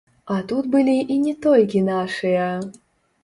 А тут былі і не толькі нашыя!